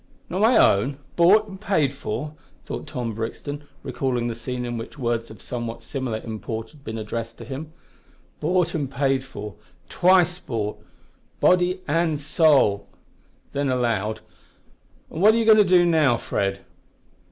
"Not my own? bought and paid for!" thought Brixton, recalling the scene in which words of somewhat similar import had been addressed to him. "Bought and paid for twice bought! Body and soul!" Then, aloud, "And what are you going to do now, Fred?"